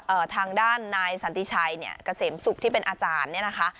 เอ่อทางด้านนายสันติชัยเนี้ยกระเสมสุขที่เป็นอาจารย์เนี้ยนะคะ